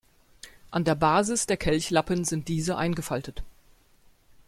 An der Basis der Kelchlappen sind diese eingefaltet.